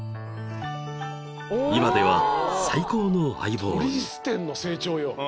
［今では最高の相棒に］